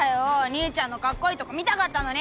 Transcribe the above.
兄ちゃんのカッコイイとこ見たかったのに！